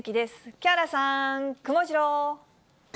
木原さん、くもジロー。